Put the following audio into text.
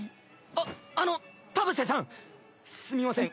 あっあの田臥さんすみません